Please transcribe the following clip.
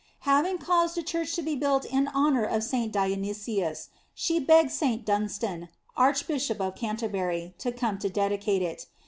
Having caused a church to be built in honor of St. Dionysius, she begged St Dun stan, archbishop of Canterbury, to come to dedicate it.